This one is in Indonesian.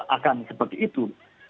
akan seperti itu